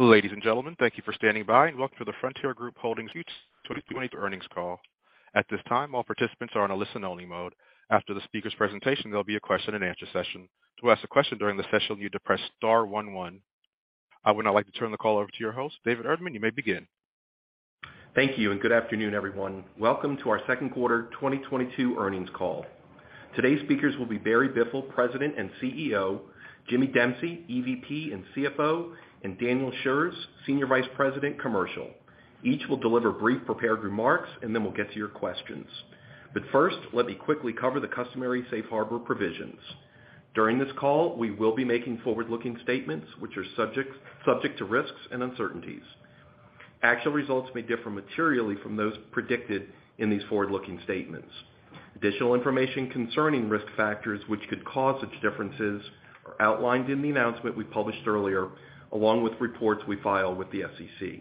Ladies and gentlemen, thank you for standing by and welcome to the Frontier Group Holdings Q2 2022 Earnings Call. At this time, all participants are on a listen-only mode. After the speaker's presentation, there'll be a question and answer session. To ask a question during the session, you need to press star one one. I would now like to turn the call over to your host, David Erdman. You may begin. Thank you, and good afternoon, everyone. Welcome to our Q2 2022 earnings call. Today's speakers will be Barry Biffle, President and CEO, Jimmy Dempsey, EVP and CFO, and Daniel Shurz, Senior Vice President, Commercial. Each will deliver brief prepared remarks, and then we'll get to your questions. First, let me quickly cover the customary safe harbor provisions. During this call, we will be making forward-looking statements, which are subject to risks and uncertainties. Actual results may differ materially from those predicted in these forward-looking statements. Additional information concerning risk factors which could cause such differences are outlined in the announcement we published earlier, along with reports we file with the SEC.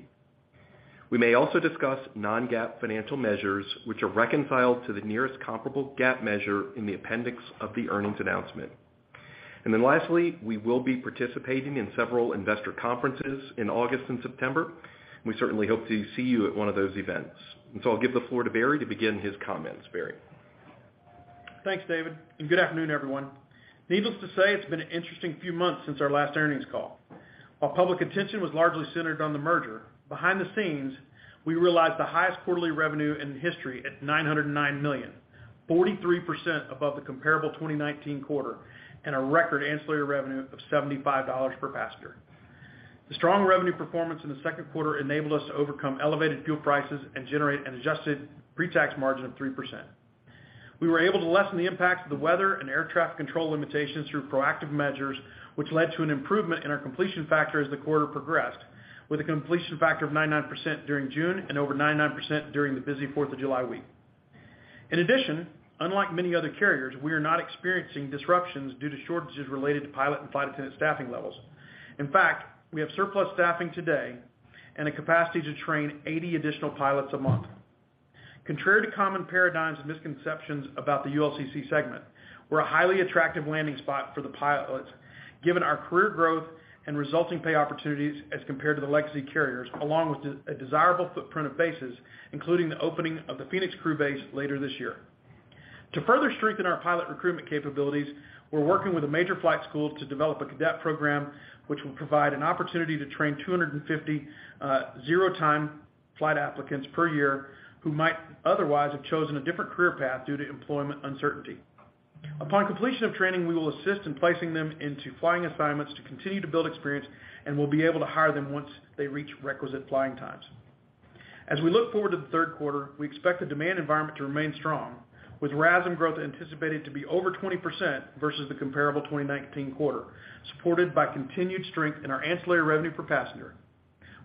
We may also discuss non-GAAP financial measures, which are reconciled to the nearest comparable GAAP measure in the appendix of the earnings announcement. Lastly, we will be participating in several investor conferences in August and September. We certainly hope to see you at one of those events. I'll give the floor to Barry to begin his comments. Barry. Thanks, David, and good afternoon, everyone. Needless to say, it's been an interesting few months since our last earnings call. While public attention was largely centered on the merger, behind the scenes, we realized the highest quarterly revenue in history at $909 million, 43% above the comparable 2019 quarter and a record ancillary revenue of $75 per passenger. The strong revenue performance in the second quarter enabled us to overcome elevated fuel prices and generate an adjusted pre-tax margin of 3%. We were able to lessen the impact of the weather and air traffic control limitations through proactive measures, which led to an improvement in our completion factor as the quarter progressed with a completion factor of 99% during June and over 99% during the busy Fourth of July week. In addition, unlike many other carriers, we are not experiencing disruptions due to shortages related to pilot and flight attendant staffing levels. In fact, we have surplus staffing today and a capacity to train 80 additional pilots a month. Contrary to common paradigms and misconceptions about the ULCC segment, we're a highly attractive landing spot for the pilots, given our career growth and resulting pay opportunities as compared to the legacy carriers, along with desirable footprint of bases, including the opening of the Phoenix crew base later this year. To further strengthen our pilot recruitment capabilities, we're working with a major flight school to develop a cadet program, which will provide an opportunity to train 250 zero-time flight applicants per year who might otherwise have chosen a different career path due to employment uncertainty. Upon completion of training, we will assist in placing them into flying assignments to continue to build experience, and we'll be able to hire them once they reach requisite flying times. As we look forward to the Q3, we expect the demand environment to remain strong, with RASM growth anticipated to be over 20% versus the comparable 2019 quarter, supported by continued strength in our ancillary revenue per passenger.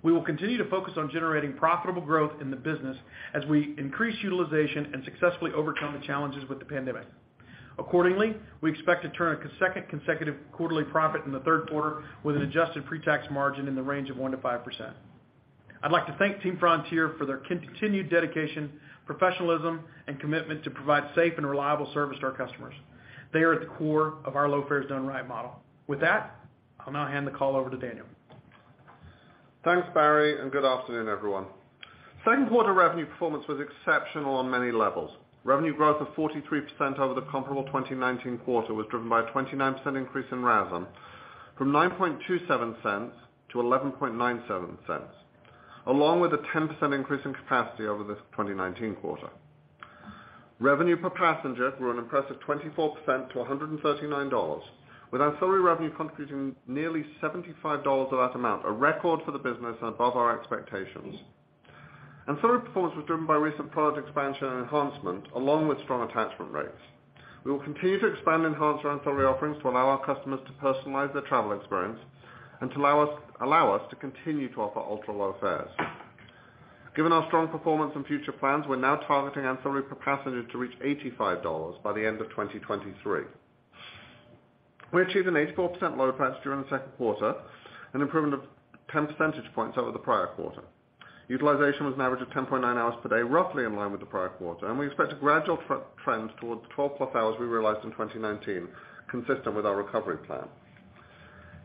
We will continue to focus on generating profitable growth in the business as we increase utilization and successfully overcome the challenges with the pandemic. Accordingly, we expect to turn a second consecutive quarterly profit in the Q3 with an adjusted pre-tax margin in the range of 1%-5%. I'd like to thank Team Frontier for their continued dedication, professionalism, and commitment to provide safe and reliable service to our customers. They are at the core of our low fares done right model. With that, I'll now hand the call over to Daniel. Thanks, Barry, and good afternoon, everyone. Q2 revenue performance was exceptional on many levels. Revenue growth of 43% over the comparable 2019 quarter was driven by a 29% increase in RASM from $0.0927-$0.1197, along with a 10% increase in capacity over this 2019 quarter. Revenue per passenger grew an impressive 24% to $139, with ancillary revenue contributing nearly $75 of that amount, a record for the business and above our expectations. Ancillary performance was driven by recent product expansion and enhancement, along with strong attachment rates. We will continue to expand and enhance our ancillary offerings to allow our customers to personalize their travel experience and to allow us to continue to offer ultra-low fares. Given our strong performance and future plans, we're now targeting ancillary per passenger to reach $85 by the end of 2023. We achieved an 84% load factor during the Q2, an improvement of 10 percentage points over the prior quarter. Utilization was an average of 10.9 hours per day, roughly in line with the prior quarter, and we expect a gradual trend towards the 12+ hours we realized in 2019, consistent with our recovery plan.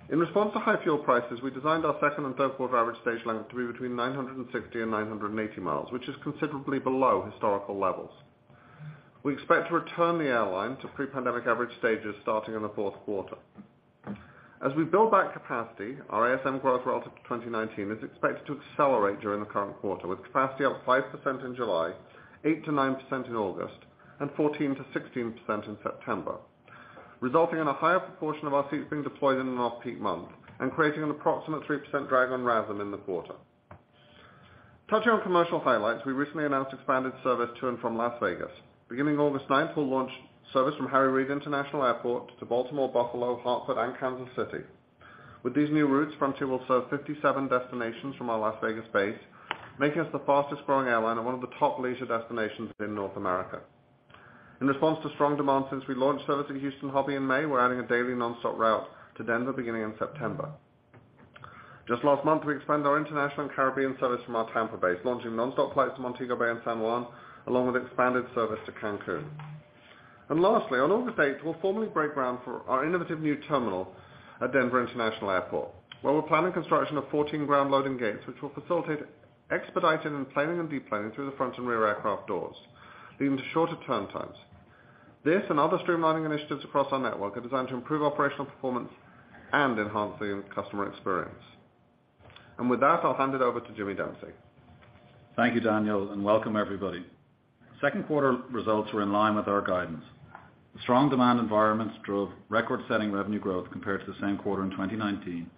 In response to high fuel prices, we designed our second and Q3 average stage length to be between 960 mi and 980 mi, which is considerably below historical levels. We expect to return the airline to pre-pandemic average stages starting in the Q4. As we build back capacity, our ASM growth relative to 2019 is expected to accelerate during the current quarter, with capacity up 5% in July, 8%-9% in August, and 14%-16% in September, resulting in a higher proportion of our seats being deployed in an off-peak month and creating an approximate 3% drag on RASM in the quarter. Touching on commercial highlights, we recently announced expanded service to and from Las Vegas. Beginning 9 August 2022, we'll launch service from Harry Reid International Airport to Baltimore, Buffalo, Hartford, and Kansas City. With these new routes, Frontier will serve 57 destinations from our Las Vegas base, making us the fastest-growing airline and one of the top leisure destinations in North America. In response to strong demand since we launched service at Houston Hobby in May, we're adding a daily nonstop route to Denver beginning in September. Just last month, we expanded our international and Caribbean service from our Tampa base, launching nonstop flights to Montego Bay and San Juan, along with expanded service to Cancún. Lastly, on 8 August 2022, we'll formally break ground for our innovative new terminal at Denver International Airport, where we're planning construction of 14 ground loading gates, which will facilitate expedited boarding and deplaning through the front and rear aircraft doors, leading to shorter turn times. This and other streamlining initiatives across our network are designed to improve operational performance and enhance the customer experience. With that, I'll hand it over to Jimmy Dempsey. Thank you, Daniel Shurz, and welcome everybody. Q2 results were in line with our guidance. The strong demand environments drove record-setting revenue growth compared to the same quarter in 2019,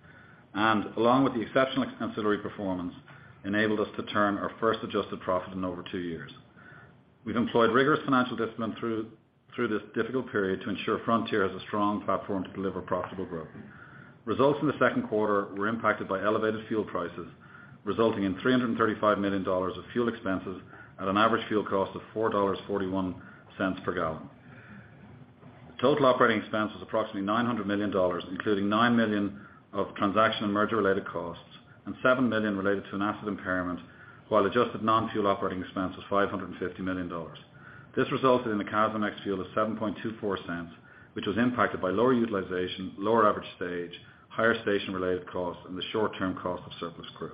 and along with the exceptional ancillary performance, enabled us to turn our first adjusted profit in over two years. We've employed rigorous financial discipline through this difficult period to ensure Frontier has a strong platform to deliver profitable growth. Results in the Q2 were impacted by elevated fuel prices, resulting in $335 million of fuel expenses at an average fuel cost of $4.41 per gallon. Total operating expense was approximately $900 million, including $9 million of transaction and merger-related costs and $7 million related to an asset impairment, while adjusted non-fuel operating expense was $550 million. This resulted in a CASM ex-fuel of $0.0724, which was impacted by lower utilization, lower average stage, higher station-related costs, and the short-term cost of surplus crew.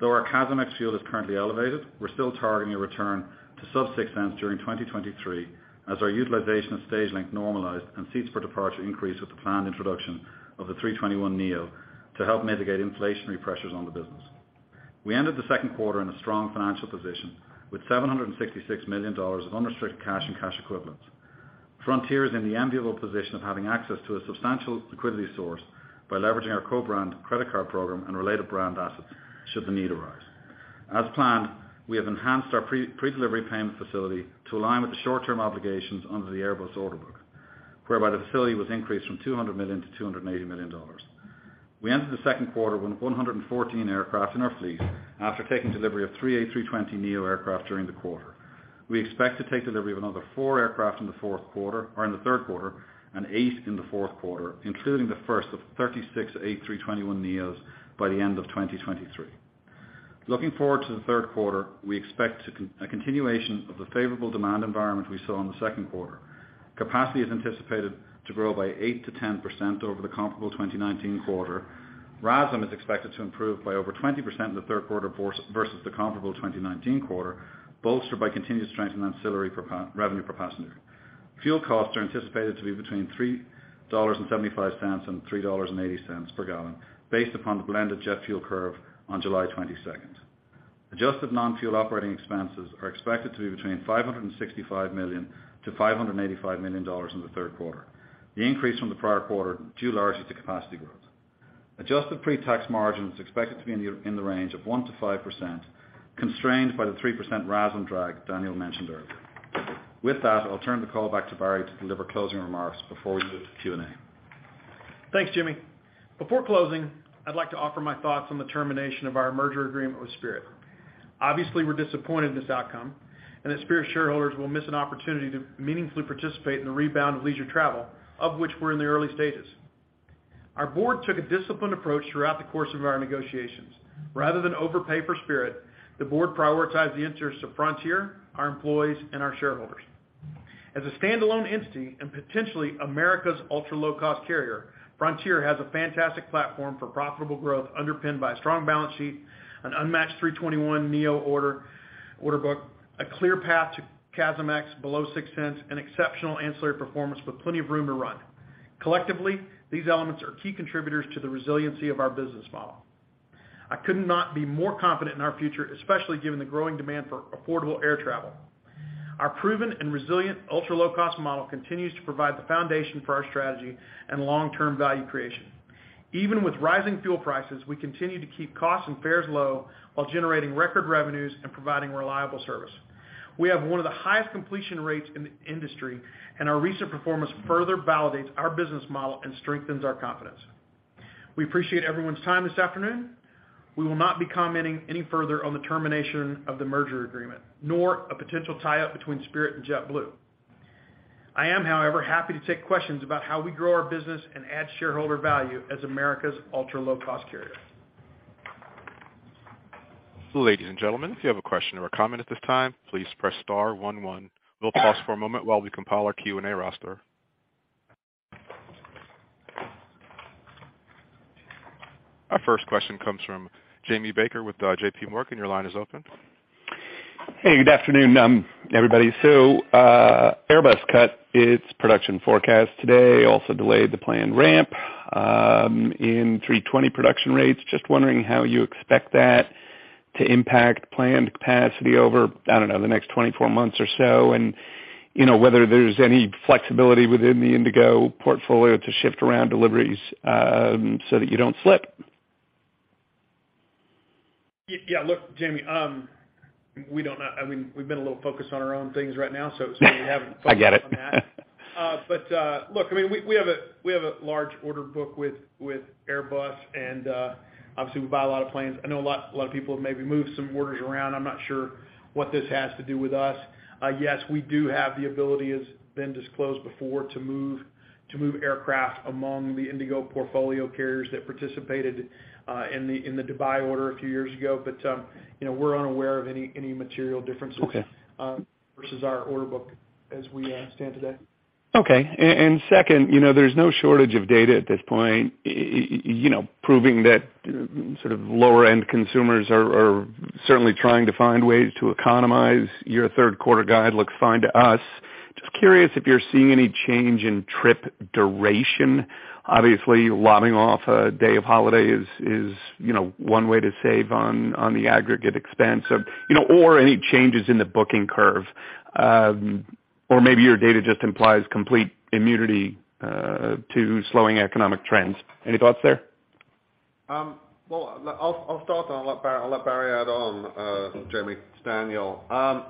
Though our CASM ex-fuel is currently elevated, we're still targeting a return to sub-$0.06 during 2023 as our utilization and stage length normalized and seats per departure increase with the planned introduction of the A321neo to help mitigate inflationary pressures on the business. We ended the Q2 on a strong financial position with $766 million of unrestricted cash and cash equivalents. Frontier is in the enviable position of having access to a substantial liquidity source by leveraging our FRONTIER Airlines World Mastercard and related brand assets should the need arise. As planned, we have enhanced our pre-delivery payment facility to align with the short-term obligations under the Airbus order book, whereby the facility was increased from $200 million to $280 million. We entered the second quarter with 114 aircraft in our fleet after taking delivery of three A320neo aircraft during the quarter. We expect to take delivery of another 4 aircraft in the fourth quarter or in the third quarter and 8 in the fourth quarter, including the first of 36 A321neos by the end of 2023. Looking forward to the Q3, we expect a continuation of the favorable demand environment we saw in the second quarter. Capacity is anticipated to grow by 8%-10% over the comparable 2019 quarter. RASM is expected to improve by over 20% in the Q3 versus the comparable 2019 quarter, bolstered by continued strength in ancillary revenue per passenger. Fuel costs are anticipated to be between $3.75 and $3.80 per gallon based upon the blended jet fuel curve on 22 July. Adjusted non-fuel operating expenses are expected to be between $565 million-$585 million in the Q3. The increase from the prior quarter due largely to capacity growth. Adjusted pre-tax margin is expected to be in the range of 1%-5%, constrained by the 3% RASM drag Daniel mentioned earlier. With that, I'll turn the call back to Barry to deliver closing remarks before we move to Q&A. Thanks, Jimmy. Before closing, I'd like to offer my thoughts on the termination of our merger agreement with Spirit. Obviously, we're disappointed in this outcome and that Spirit shareholders will miss an opportunity to meaningfully participate in the rebound of leisure travel, of which we're in the early stages. Our board took a disciplined approach throughout the course of our negotiations. Rather than overpay for Spirit, the board prioritized the interests of Frontier, our employees, and our shareholders. As a standalone entity and potentially America's ultra-low-cost carrier, Frontier has a fantastic platform for profitable growth underpinned by a strong balance sheet, an unmatched 321neo order book, a clear path to CASM ex below $0.06, and exceptional ancillary performance with plenty of room to run. Collectively, these elements are key contributors to the resiliency of our business model. I could not be more confident in our future, especially given the growing demand for affordable air travel. Our proven and resilient ultra-low-cost model continues to provide the foundation for our strategy and long-term value creation. Even with rising fuel prices, we continue to keep costs and fares low while generating record revenues and providing reliable service. We have one of the highest completion rates in the industry, and our recent performance further validates our business model and strengthens our confidence. We appreciate everyone's time this afternoon. We will not be commenting any further on the termination of the merger agreement, nor a potential tie-up between Spirit and JetBlue. I am, however, happy to take questions about how we grow our business and add shareholder value as America's ultra-low-cost carrier. Ladies and gentlemen, if you have a question or a comment at this time, please press star one one. We'll pause for a moment while we compile our Q&A roster. Our first question comes from Jamie Baker with JPMorgan. Your line is open. Hey, good afternoon, everybody. Airbus cut its production forecast today, also delayed the planned ramp in 320 production rates. Just wondering how you expect that to impact planned capacity over, I don't know, the next 24 months or so, and, you know, whether there's any flexibility within the Indigo portfolio to shift around deliveries, so that you don't slip. Yeah, look, Jamie, we don't know. I mean, we've been a little focused on our own things right now, so it's maybe we haven't focused on that. I get it. Look, I mean, we have a large order book with Airbus and obviously we buy a lot of planes. I know a lot of people have maybe moved some orders around. I'm not sure what this has to do with us. Yes, we do have the ability, as been disclosed before, to move aircraft among the Indigo portfolio carriers that participated in the Dubai order a few years ago. You know, we're unaware of any material differences. Okay Versus our order book as we stand today. Okay. Second, you know, there's no shortage of data at this point, you know, proving that sort of lower-end consumers are certainly trying to find ways to economize. Your third quarter guide looks fine to us. Just curious if you're seeing any change in trip duration. Obviously, lopping off a day of holiday is, you know, one way to save on the aggregate expense of, you know, or any changes in the booking curve. Or maybe your data just implies complete immunity to slowing economic trends. Any thoughts there? Well, I'll start and I'll let Barry add on, Jamie. It's Daniel.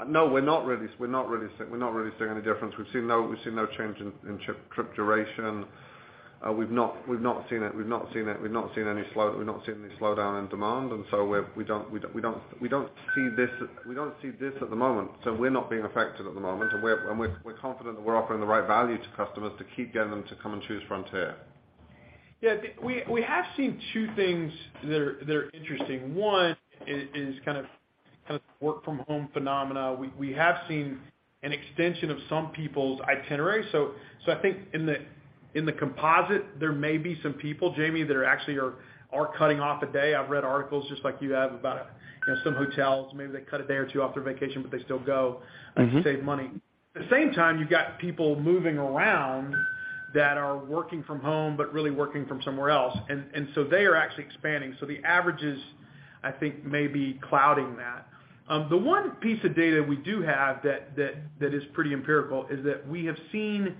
No, we're not really seeing any difference. We've seen no change in trip duration. We've not seen any slowdown in demand. We don't see this at the moment, so we're not being affected at the moment. We're confident that we're offering the right value to customers to keep getting them to come and choose Frontier. Yeah, I think we have seen two things that are interesting. One is kind of work from home phenomena. We have seen an extension of some people's itinerary. So I think in the composite, there may be some people, Jamie, that are actually cutting off a day. I've read articles just like you have about, you know, some hotels, maybe they cut a day or two off their vacation, but they still go to save money. Mm-hmm At the same time, you've got people moving around that are working from home, but really working from somewhere else. So they are actually expanding. The averages, I think, may be clouding that. The one piece of data we do have that is pretty empirical is that we have seen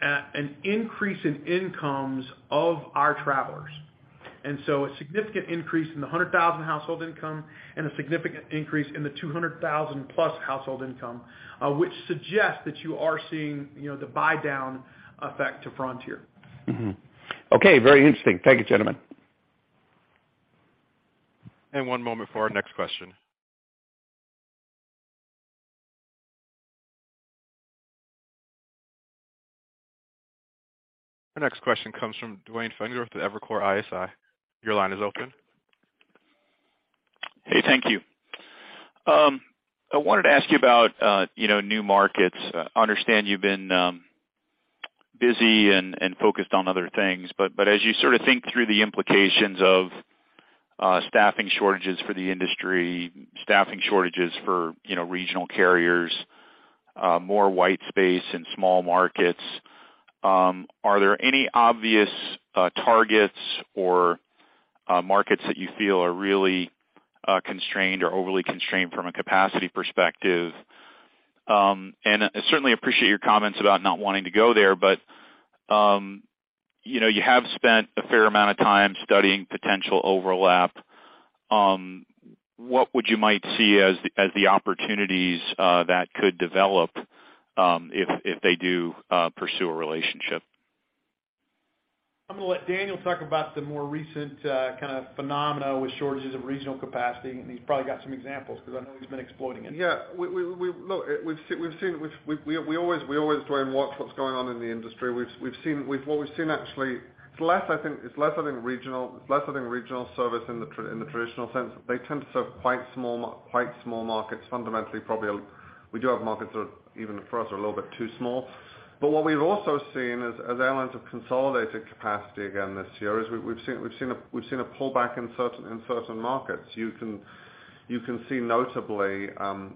an increase in incomes of our travelers. A significant increase in the $100,000 household income and a significant increase in the $200,000+ household income, which suggests that you are seeing, you know, the buy down effect to Frontier. Okay. Very interesting. Thank you, gentlemen. One moment for our next question. Our next question comes from Duane Pfennigwerth with Evercore ISI. Your line is open. Hey, thank you. I wanted to ask you about, you know, new markets. I understand you've been, busy and focused on other things. As you sort of think through the implications of, staffing shortages for the industry, staffing shortages for, you know, regional carriers, more white space in small markets, are there any obvious, targets or, markets that you feel are really, constrained or overly constrained from a capacity perspective? I certainly appreciate your comments about not wanting to go there, you know, you have spent a fair amount of time studying potential overlap. What would you might see as the opportunities, that could develop, if they do, pursue a relationship? I'm gonna let Daniel talk about the more recent kind of phenomena with shortages of regional capacity, and he's probably got some examples because I know he's been exploiting it. Yeah. Look, we've seen we always, Duane, watch what's going on in the industry. We've seen what we've seen actually. It's less, I think, regional service in the traditional sense. They tend to serve quite small markets. Fundamentally, probably, we do have markets that are even for us a little bit too small. What we've also seen as airlines have consolidated capacity again this year is we've seen a pullback in certain markets. You can see notably,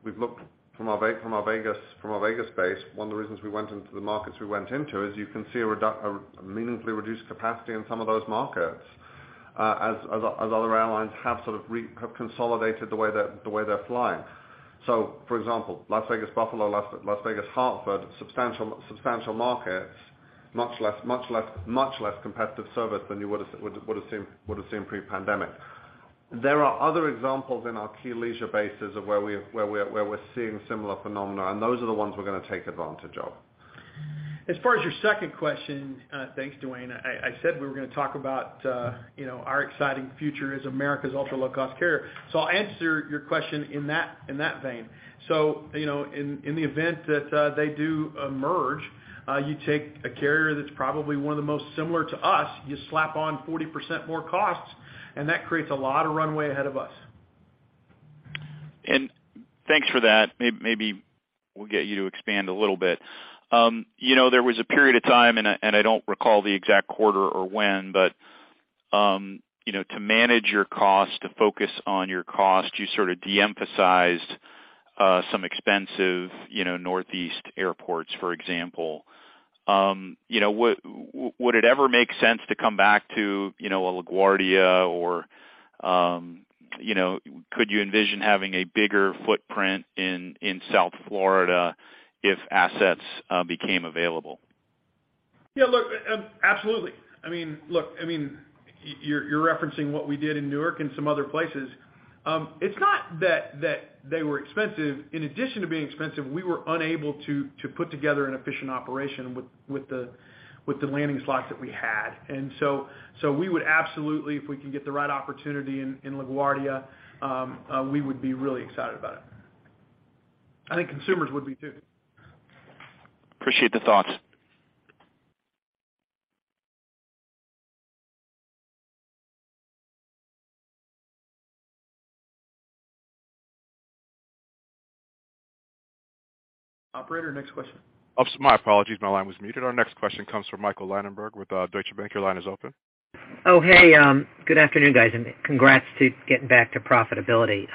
we've looked from our Vegas base. One of the reasons we went into the markets we went into is you can see a meaningfully reduced capacity in some of those markets, as other airlines have sort of consolidated the way they're flying. For example, Las Vegas-Buffalo, Las Vegas-Hartford, substantial markets, much less competitive service than you would've seen pre-pandemic. There are other examples in our key leisure bases of where we're seeing similar phenomena, and those are the ones we're gonna take advantage of. As far as your second question, thanks, Duane. I said we were gonna talk about, you know, our exciting future as America's ultra-low-cost carrier. I'll answer your question in that vein. You know, in the event that they do merge, you take a carrier that's probably one of the most similar to us, you slap on 40% more costs, and that creates a lot of runway ahead of us. Thanks for that. Maybe we'll get you to expand a little bit. You know, there was a period of time, and I don't recall the exact quarter or when, but, you know, to manage your cost, to focus on your cost, you sort of de-emphasized some expensive, you know, Northeast airports, for example. You know, would it ever make sense to come back to, you know, a LaGuardia or, you know, could you envision having a bigger footprint in South Florida if assets became available? Yeah, look, absolutely. I mean, look, I mean, you're referencing what we did in Newark and some other places. It's not that they were expensive. In addition to being expensive, we were unable to put together an efficient operation with the landing slots that we had. We would absolutely, if we can get the right opportunity in LaGuardia, we would be really excited about it. I think consumers would be too. Appreciate the thoughts. Operator, next question. Oops, my apologies. My line was muted. Our next question comes from Michael Linenberg with Deutsche Bank. Your line is open. Oh, hey, good afternoon, guys, and congrats to getting back to profitability.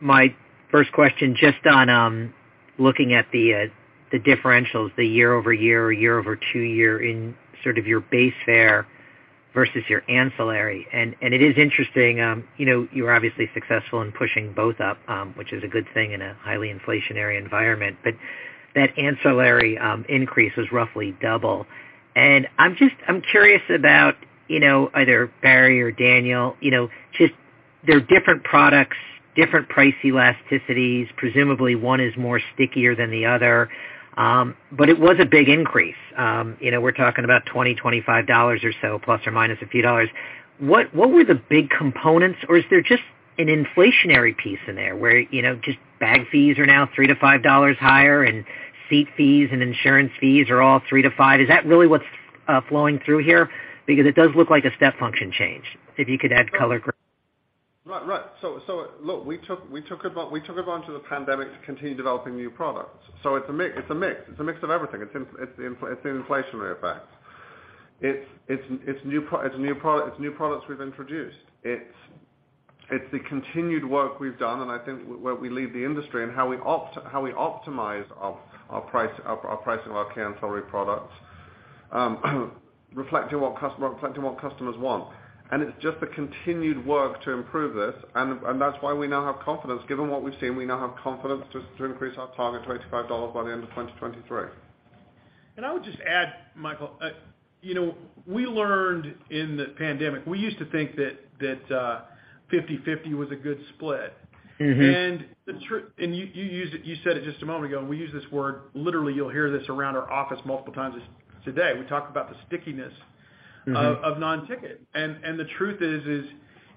My first question just on looking at the differentials, the year-over-year or year-over-two-year in sort of your base fare versus your ancillary, and it is interesting, you know, you are obviously successful in pushing both up, which is a good thing in a highly inflationary environment. That ancillary increase was roughly double. I'm curious about, you know, either Barry or Daniel, you know, just they're different products, different price elasticities. Presumably, one is more stickier than the other. It was a big increase. You know, we're talking about $20-$25 or so, plus or minus a few dollars. What were the big components, or is there just an inflationary piece in there where, you know, just bag fees are now $3-$5 higher, and seat fees and insurance fees are all $3-$5? Is that really what's flowing through here? Because it does look like a step function change, if you could add color. Right. Look, we took advantage of the pandemic to continue developing new products. It's a mix. It's a mix of everything. It's the inflationary effect. It's new products we've introduced. It's the continued work we've done, and I think where we lead the industry and how we optimize our pricing of our key ancillary products, reflecting what customers want. It's just the continued work to improve this, and that's why we now have confidence. Given what we've seen, we now have confidence just to increase our target to $85 by the end of 2023. I would just add, Michael, you know, we learned in the pandemic, we used to think that 50/50 was a good split. Mm-hmm. You said it just a moment ago, and we use this word, literally, you'll hear this around our office multiple times today. We talk about the stickiness of non-ticket. Mm-hmm. The truth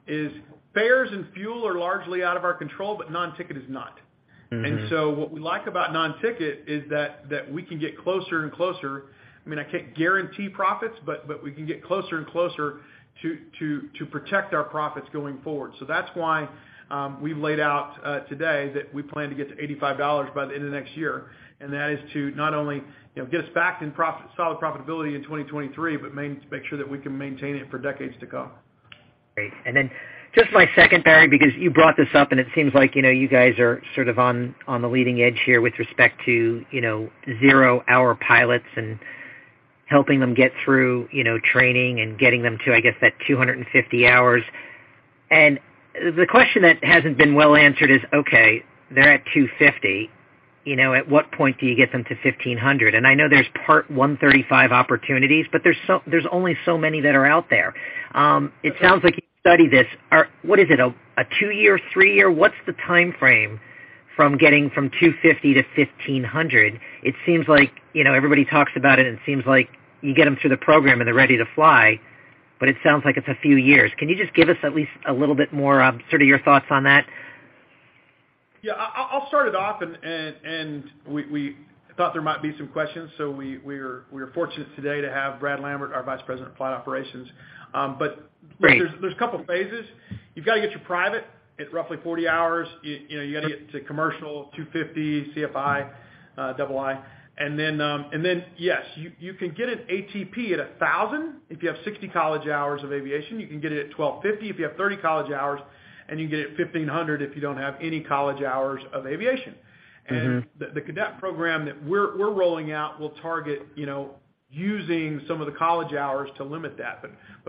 is fares and fuel are largely out of our control, but non-ticket is not. Mm-hmm. What we like about non-ticket is that we can get closer and closer. I mean, I can't guarantee profits, but we can get closer and closer to protect our profits going forward. That's why we've laid out today that we plan to get to $85 by the end of next year. That is to not only, you know, get us back in profit, solid profitability in 2023, but make sure that we can maintain it for decades to come. Great. Just my second, Barry, because you brought this up, and it seems like, you know, you guys are sort of on the leading edge here with respect to, you know, zero-hour pilots and helping them get through, you know, training and getting them to, I guess, that 250 hours. The question that hasn't been well answered is, okay, they're at 250, you know, at what point do you get them to 1,500? I know there's Part 135 opportunities, but there's only so many that are out there. It sounds like you studied this. What is it, a two-year, three-year? What's the timeframe from getting from 250 to 1,500? It seems like, you know, everybody talks about it, and it seems like you get them through the program, and they're ready to fly, but it sounds like it's a few years. Can you just give us at least a little bit more, sort of your thoughts on that? Yeah. I'll start it off. We thought there might be some questions, so we're fortunate today to have Brad Lambert, our Vice President of Flight Operations. Great. There's a couple phases. You've got to get your private at roughly 40 hours. You know, you gotta get to commercial 250 CFI, CFII. Yes, you can get an ATP at 1,000 if you have 60 college hours of aviation. You can get it at 1,250 if you have 30 college hours, and you get it at 1,500 if you don't have any college hours of aviation. Mm-hmm. The cadet program that we're rolling out will target you know using some of the college hours to limit that.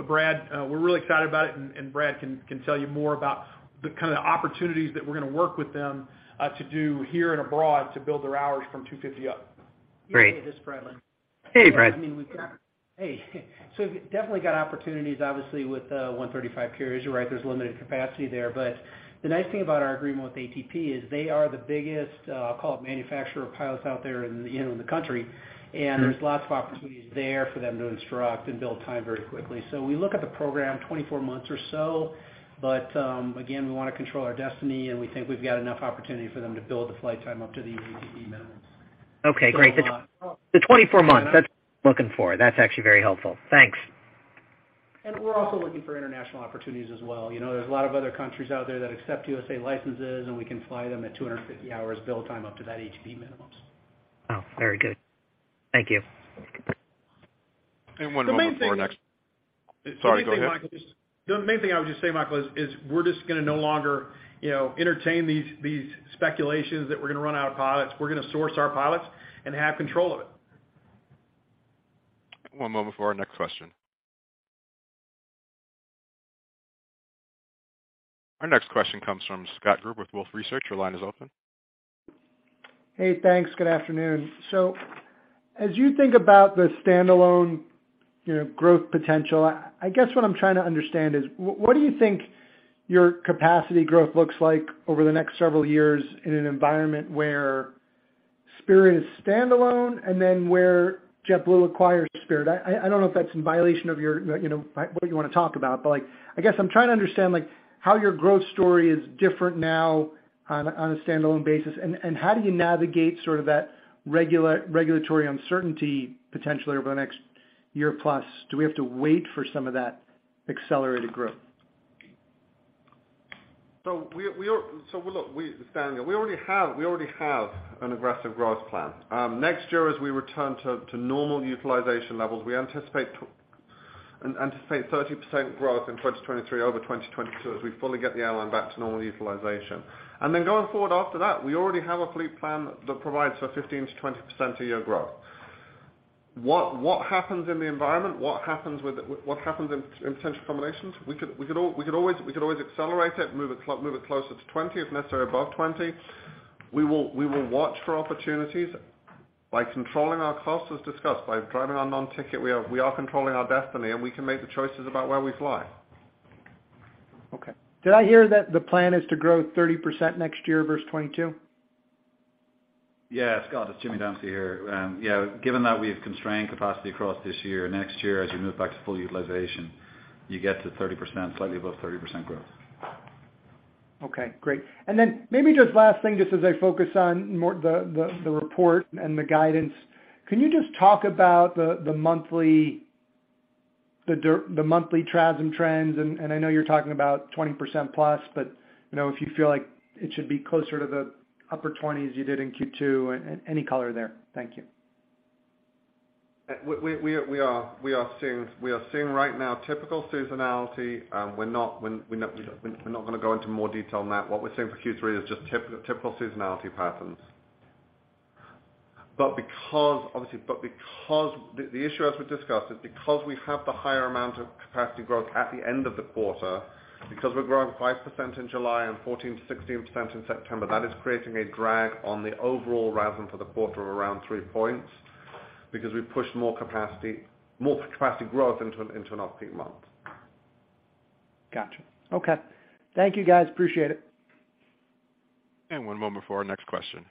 Brad, we're really excited about it, and Brad can tell you more about the kind of opportunities that we're gonna work with them to do here and abroad to build their hours from 250 up. Great. This is Brad Lambert. Hey, Brad. Hey. We've definitely got opportunities, obviously, with Part 135 carriers. You're right, there's limited capacity there. But the nice thing about our agreement with ATP is they are the biggest, I'll call it manufacturer of pilots out there in, you know, in the country. Mm-hmm. There's lots of opportunities there for them to instruct and build time very quickly. We look at the program 24 months or so, but again, we wanna control our destiny, and we think we've got enough opportunity for them to build the flight time up to the ATP minimums. Okay, great. So, uh. The 24 months, that's what I'm looking for. That's actually very helpful. Thanks. We're also looking for international opportunities as well. You know, there's a lot of other countries out there that accept USA licenses, and we can fly them at 250 hours build time up to that ATP minimums. Oh, very good. Thank you. One moment before our next The main thing. Sorry, go ahead. The main thing I would just say, Michael, is we're just gonna no longer, you know, entertain these speculations that we're gonna run out of pilots. We're gonna source our pilots and have control of it. One moment before our next question. Our next question comes from Scott Group with Wolfe Research. Your line is open. Hey, thanks. Good afternoon. As you think about the standalone, you know, growth potential, I guess what I'm trying to understand is what do you think your capacity growth looks like over the next several years in an environment where Spirit is standalone and then where JetBlue acquires Spirit? I don't know if that's in violation of your, you know, what you wanna talk about, but like, I guess I'm trying to understand like, how your growth story is different now on a standalone basis, and how do you navigate sort of that regulatory uncertainty potentially over the next year plus? Do we have to wait for some of that accelerated growth? It's Daniel. We already have an aggressive growth plan. Next year as we return to normal utilization levels, we anticipate 30% growth in 2023 over 2022 as we fully get the airline back to normal utilization. Then going forward after that, we already have a fleet plan that provides for 15%-20% a year growth. What happens in the environment? What happens in potential combinations? We could always accelerate it, move it closer to 20%, if necessary, above 20%. We will watch for opportunities by controlling our costs, as discussed, by driving our non-ticket. We are controlling our destiny, and we can make the choices about where we fly. Okay. Did I hear that the plan is to grow 30% next year versus 22%? Yeah, Scott, it's Jimmy Dempsey here. Given that we've constrained capacity across this year, next year as you move back to full utilization, you get to 30%, slightly above 30% growth. Okay, great. Maybe just last thing, just as I focus on more, the report and the guidance. Can you just talk about the monthly TRASM trends? I know you're talking about 20%+, but, you know, if you feel like it should be closer to the upper twenties you did in Q2, any color there. Thank you. We are seeing right now typical seasonality. We're not gonna go into more detail on that. What we're seeing for Q3 is just typical seasonality patterns. Because, obviously, the issue as we discussed is because we have the higher amount of capacity growth at the end of the quarter, because we're growing 5% in July and 14%-16% in September, that is creating a drag on the overall RASM for the quarter of around 3 points because we've pushed more capacity growth into an off-peak month. Gotcha. Okay. Thank you guys. Appreciate it. One moment for our next question.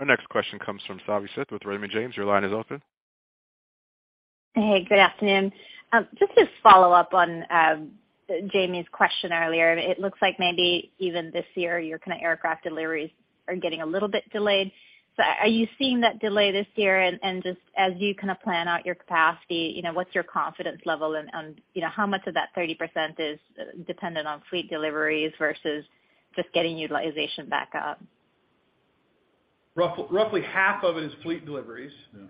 Our next question comes from Savanthi Syth with Raymond James. Your line is open. Hey, good afternoon. Just to follow up on Jamie's question earlier. It looks like maybe even this year, you're kind of aircraft deliveries are getting a little bit delayed. Are you seeing that delay this year? Just as you kind of plan out your capacity, you know, what's your confidence level and, you know, how much of that 30% is dependent on fleet deliveries versus just getting utilization back up? Roughly half of it is fleet deliveries. Yeah.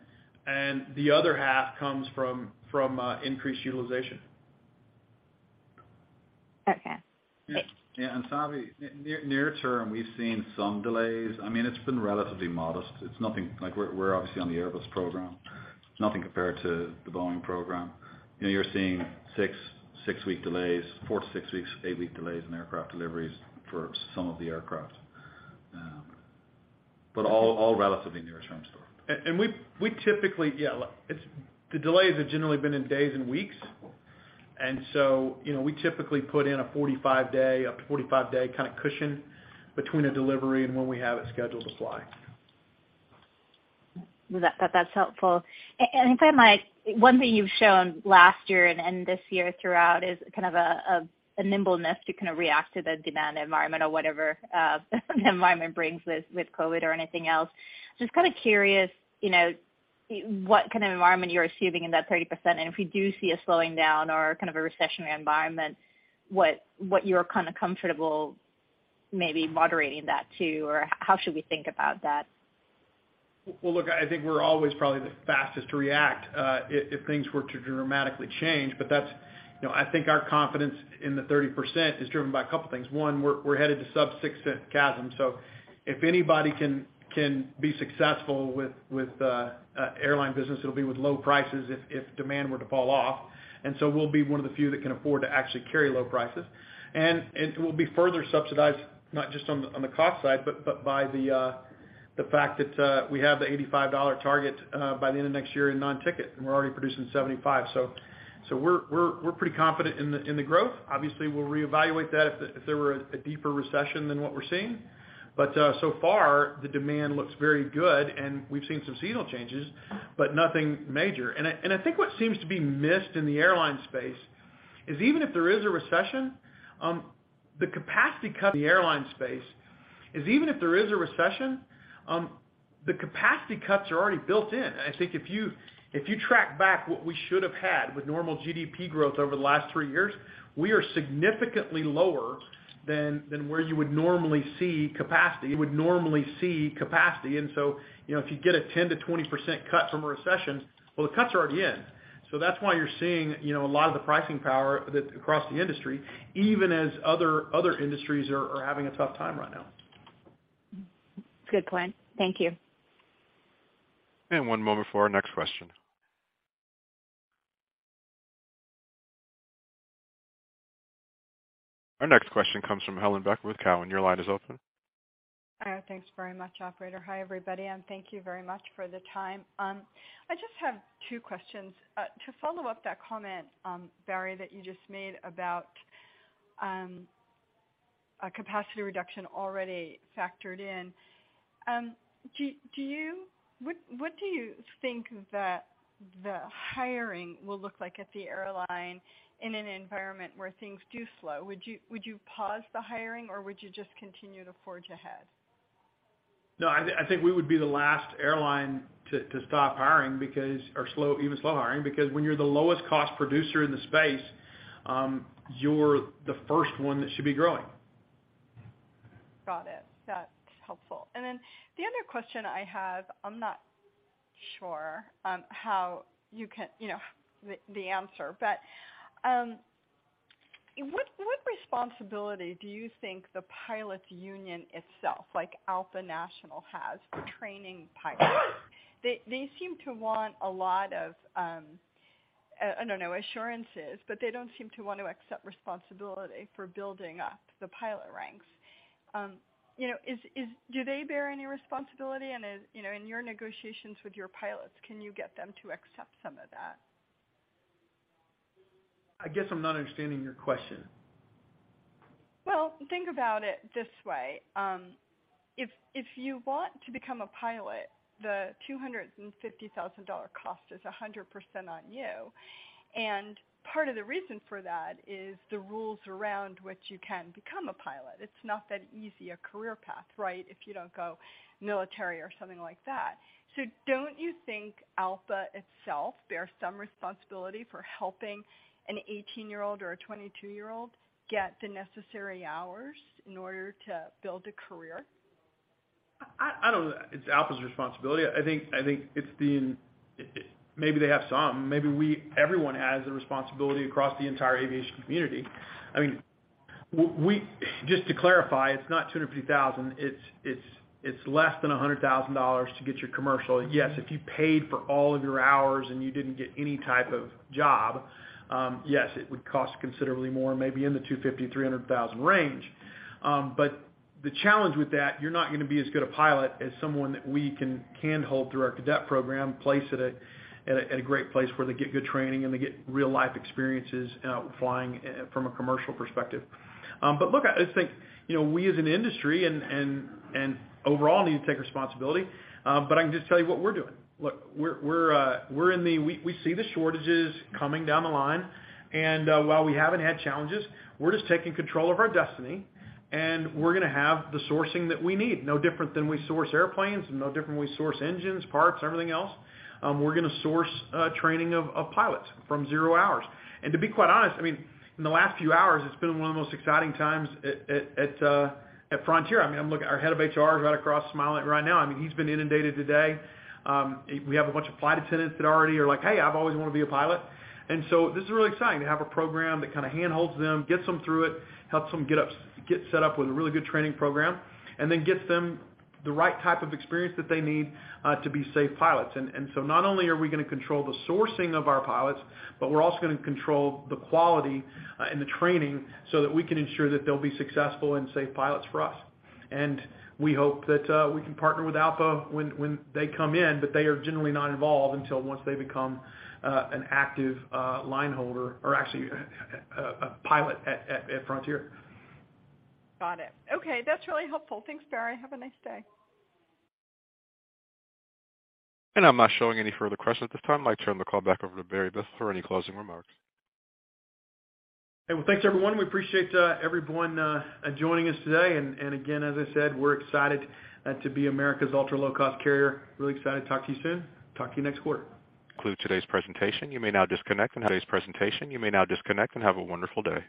The other half comes from increased utilization. Okay. Yeah. Savanthi Syth, near term, we've seen some delays. I mean, it's been relatively modest. It's nothing like we're obviously on the Airbus program. Nothing compared to the Boeing program. You know, you're seeing six-week delays, four to six weeks, eight-week delays in aircraft deliveries for some of the aircraft. But all relatively near-term stuff. The delays have generally been in days and weeks. You know, we typically put in a 45-day, up to 45-day kind of cushion between a delivery and when we have it scheduled to fly. That's helpful. If I might, one thing you've shown last year and this year throughout is kind of a nimbleness to kind of react to the demand environment or whatever the environment brings with COVID or anything else. Just kind of curious, you know, what kind of environment you're assuming in that 30%, and if we do see a slowing down or kind of a recessionary environment, what you're kind of comfortable maybe moderating that to or how should we think about that? Well, look, I think we're always probably the fastest to react if things were to dramatically change. That's, you know, I think our confidence in the 30% is driven by a couple things. One, we're headed to sub $0.06 CASM. If anybody can be successful with airline business, it'll be with low prices if demand were to fall off. We'll be one of the few that can afford to actually carry low prices. It will be further subsidized, not just on the cost side, but by the fact that we have the $85 target by the end of next year in non-ticket, and we're already producing $75. We're pretty confident in the growth. Obviously, we'll reevaluate that if there were a deeper recession than what we're seeing. So far the demand looks very good and we've seen some seasonal changes, but nothing major. I think what seems to be missed in the airline space is even if there is a recession, the capacity cuts are already built in. I think if you track back what we should have had with normal GDP growth over the last three years, we are significantly lower than where you would normally see capacity. You know, if you get a 10%-20% cut from a recession, well, the cuts are already in. That's why you're seeing, you know, a lot of the pricing power across the industry, even as other industries are having a tough time right now. Good point. Thank you. One moment for our next question. Our next question comes from Helane Becker with TD Cowen. Your line is open. Thanks very much, operator. Hi, everybody, and thank you very much for the time. I just have two questions. To follow up that comment, Barry, that you just made about a capacity reduction already factored in, what do you think that the hiring will look like at the airline in an environment where things do slow? Would you pause the hiring, or would you just continue to forge ahead? No, I think we would be the last airline to stop hiring or slow, even slow hiring, because when you're the lowest cost producer in the space, you're the first one that should be growing. Got it. That's helpful. The other question I have, I'm not sure how you can know the answer, but what responsibility do you think the pilots union itself, like ALPA National, has for training pilots? They seem to want a lot of, I don't know, assurances, but they don't seem to want to accept responsibility for building up the pilot ranks. You know, do they bear any responsibility? You know, in your negotiations with your pilots, can you get them to accept some of that? I guess I'm not understanding your question. Well, think about it this way. If you want to become a pilot, the $250,000 cost is 100% on you. Part of the reason for that is the rules around which you can become a pilot. It's not that easy a career path, right? If you don't go military or something like that. Don't you think ALPA itself bears some responsibility for helping an 18-year-old or a 22-year-old get the necessary hours in order to build a career? I don't know it's ALPA's responsibility. I think it's been. Maybe they have some. Everyone has a responsibility across the entire aviation community. I mean, just to clarify, it's not $250,000. It's less than $100,000 to get your commercial. Yes, if you paid for all of your hours and you didn't get any type of job, yes, it would cost considerably more, maybe in the $250,000-$300,000 range. But the challenge with that, you're not gonna be as good a pilot as someone that we can hold through our cadet program, place at a great place where they get good training and they get real life experiences, flying from a commercial perspective. Look, I just think, you know, we as an industry and overall need to take responsibility. I can just tell you what we're doing. Look, we see the shortages coming down the line, and while we haven't had challenges, we're just taking control of our destiny, and we're gonna have the sourcing that we need. No different than we source airplanes, engines, parts, everything else. We're gonna source training of pilots from zero hours. To be quite honest, I mean, in the last few hours, it's been one of the most exciting times at Frontier. I mean, I'm looking. Our head of HR is right across smiling right now. I mean, he's been inundated today. We have a bunch of flight attendants that already are like, "Hey, I've always wanted to be a pilot." This is really exciting to have a program that kind of handholds them, gets them through it, helps them get set up with a really good training program, and then gets them the right type of experience that they need to be safe pilots. Not only are we gonna control the sourcing of our pilots, but we're also gonna control the quality and the training so that we can ensure that they'll be successful and safe pilots for us. We hope that we can partner with ALPA when they come in, but they are generally not involved until once they become an active line holder or actually a pilot at Frontier. Got it. Okay, that's really helpful. Thanks, Barry. Have a nice day. I'm not showing any further questions at this time. I'd like to turn the call back over to Barry Biffle for any closing remarks. Hey, well, thanks everyone. We appreciate everyone joining us today. Again, as I said, we're excited to be America's ultra-low-cost carrier. Really excited to talk to you soon. Talk to you next quarter. Conclude today's presentation. You may now disconnect and have a wonderful day.